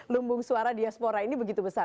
lumbung suara diaspora ini begitu besar